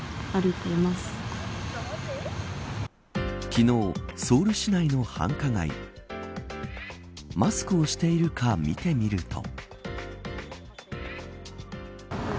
昨日、ソウル市内の繁華街マスクをしているか見てみると。